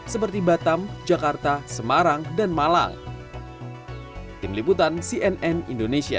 seperti batam jakarta semarang dan malang tim liputan cnn indonesia